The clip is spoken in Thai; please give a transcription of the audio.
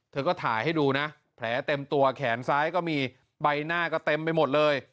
เธอก็ถ่ายให้ดูนะแผลเต็มตัวแขนซ้ายก็มีใบหน้าก็เต็มไปหมดเลย